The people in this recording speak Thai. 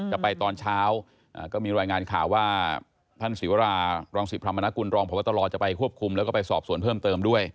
จะไปตอนเช้าก็มีรายงานข่าวว่าท่านศิวรารังศิพรรมนกุลรองพบตรจะไปควบคุมแล้วก็ไปสอบสวนเพิ่มเติมด้วย